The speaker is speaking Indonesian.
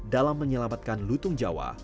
dalam menyelamatkan lutung jawa